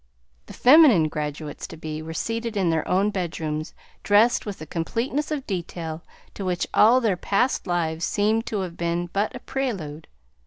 The feminine graduates to be were seated in their own bedrooms, dressed with a completeness of detail to which all their past lives seemed to have been but a prelude.